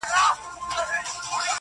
دوستانه خبرې خوند زیاتوي